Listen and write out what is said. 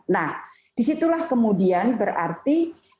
nah disitulah kemudian berarti